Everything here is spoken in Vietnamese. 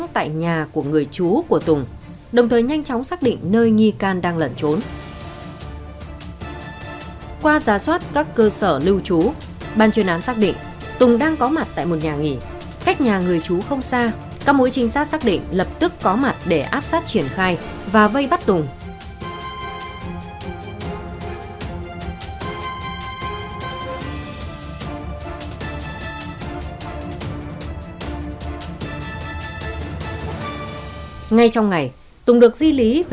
tại cơ quan công an địa phương ban chuyên án xác định tùng đang có mặt tại một nhà nghỉ